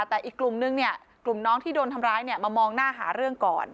แต่อีกกลุ่มนึงเนี่ยกลุ่มน้องที่โดนทำร้ายเนี่ยมามองหน้าหาเรื่องก่อน